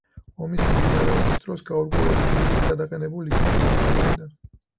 ომის მიმდინარეობის დროს გაურკვეველი მიზეზით გადაყენებულ იქნა თანამდებობიდან.